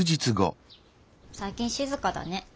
最近静かだね。